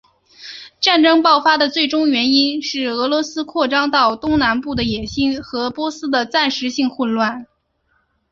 战争爆发的最终原因是俄罗斯扩张到东南部的野心和波斯的暂时性混乱。